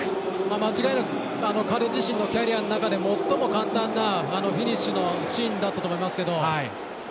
間違いなく彼自身のキャリアの中で、最も簡単なフィニッシュのシーンだったと思いますけど。